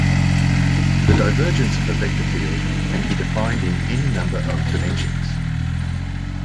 The divergence of a vector field can be defined in any number of dimensions.